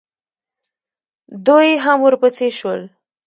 دوئ هم ورپسې شول.